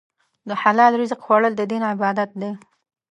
د حلال رزق خوړل د دین عبادت دی.